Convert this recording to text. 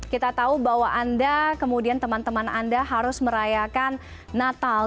kita tahu bahwa anda kemudian teman teman anda harus merayakan natal